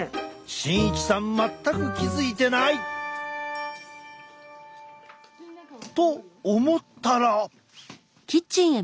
慎一さん全く気付いてない！と思ったら。